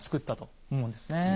だからと思うんですね。